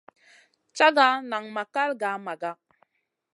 Caga nan ma kal gah Maga.